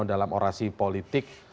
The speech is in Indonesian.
dalam orasi politik